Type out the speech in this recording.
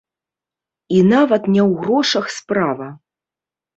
І нават не ў грошах справа.